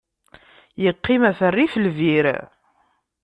Yeqqim ɣef rrif n lbir.